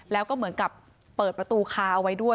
แล้วก็เหมือนกับเปิดประตูคาเอาไว้ด้วย